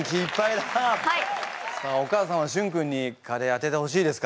さあお母さんはしゅん君にカレー当ててほしいですか？